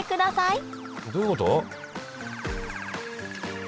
どういうこと？